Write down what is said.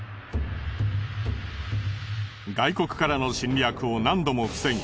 外国からの侵略を何度も防ぎ